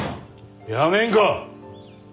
やめんか。